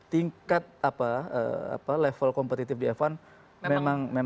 tingkat level kompetitif di f satu memang